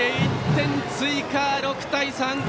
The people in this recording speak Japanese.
１点追加、６対３。